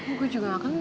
gue juga gak kenal